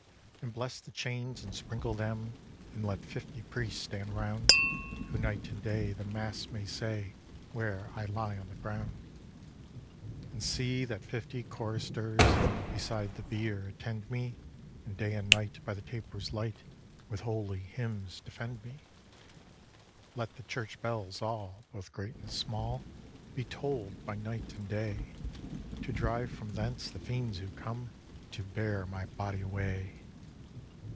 'And bless the chains and sprinkle them, And let fifty Priests stand round, Who night and day the mass may say Where I lie on the ground. 'And see that fifty Choristers Beside the bier attend me, And day and night by the tapers' light, With holy hymns defend me. 'Let the church bells all, both great and small, Be toll'd by night and day, To drive from thence the fiends who come To bear my body away.